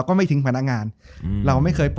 จบการโรงแรมจบการโรงแรม